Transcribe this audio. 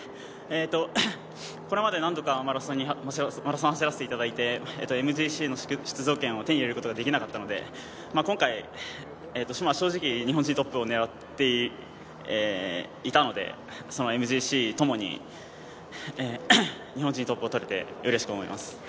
これまで何度かマラソンを走らせていただいてＭＧＣの出場権を手に入れることができなかったので、今回、正直、日本人トップを狙っていたので、ＭＧＣともに日本人トップをとれてうれしく思います。